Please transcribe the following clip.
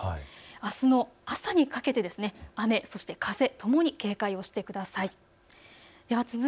あすの朝にかけて雨、そして風ともに警戒をしてください。